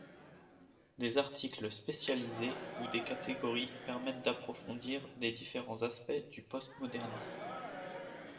Des articles spécialisés ou des catégories permettent d'approfondir les différents aspects du postmodernisme.